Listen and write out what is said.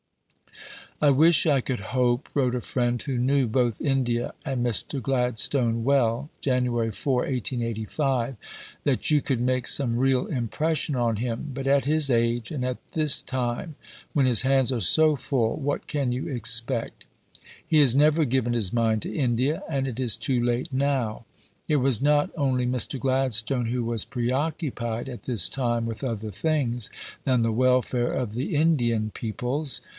"I wish I could hope," wrote a friend who knew both India and Mr. Gladstone well (Jan. 4, 1885), "that you could make some real impression on him; but at his age and at this time, when his hands are so full, what can you expect? He has never given his mind to India, and it is too late now." It was not only Mr. Gladstone who was preoccupied at this time with other things than the welfare of the Indian peoples.